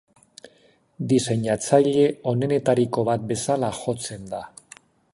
Diseinatzaile onenetariko bat bezala jotzen da.